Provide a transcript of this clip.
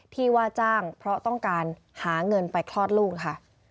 ที่ว่าจ้างเพราะต้องการหาเงินไปคลอดลูกค่ะ